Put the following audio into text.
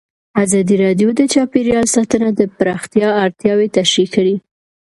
ازادي راډیو د چاپیریال ساتنه د پراختیا اړتیاوې تشریح کړي.